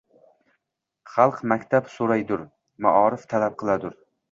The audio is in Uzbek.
Xalq maktab so‘raydur, maorif talab qiladur